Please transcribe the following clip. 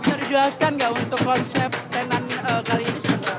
bisa dijelaskan nggak untuk konsep tenan kali ini